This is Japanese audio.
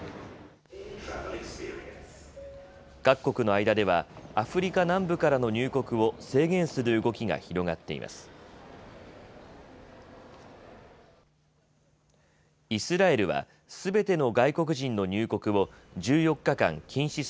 各国の間ではアフリカ南部からの入国を制限する動きが広がっています。